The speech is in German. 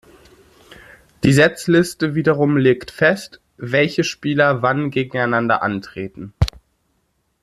Die Setzliste wiederum legt fest, welche Spieler wann gegeneinander antreten.